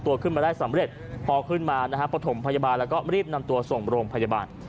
ถึงถ่อหมพัยบาลแล้วก็รีบนำตัวส่งโรมพัยบาล